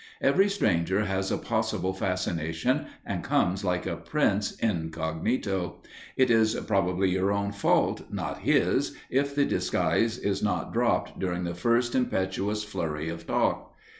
Every stranger has a possible fascination and comes like a prince incognito. It is probably your own fault, not his, if the disguise is not dropped during the first impetuous flurry of talk.